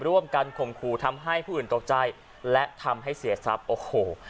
ร่วมกันข่มขู่ทำให้ผู้อื่นตกใจและทำให้เสียทรัพย์โอ้โห